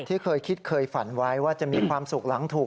เคยคิดเคยฝันไว้ว่าจะมีความสุขหลังถูก